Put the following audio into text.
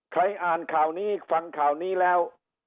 ใครอ่านข่าวนี้ฟังข่าวนี้แล้ว